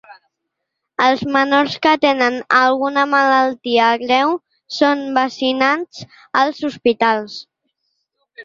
Els menors que tenen alguna malaltia greu són vaccinats als hospitals.